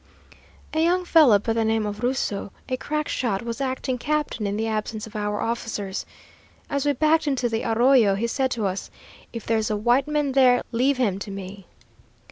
A young fellow by the name of Rusou, a crack shot, was acting captain in the absence of our officers. As we backed into the arroyo he said to us, 'If there's a white man there, leave him to me.'